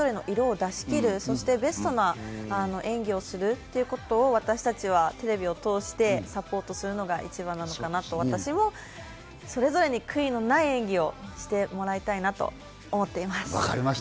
もちろんメダルも期待されると思うんですけれども、それ以前に３人が３選手それぞれの色を出し切る、そしてベストな演技をするということを私たちはテレビを通してサポートするのが一番なのかなと私もそれぞれに悔いのない演技をしてもらいたいなと思っています。